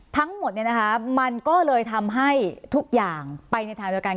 ทั้งหมดมันก็เลยทำให้ทุกอย่างไปในทางเดียวกัน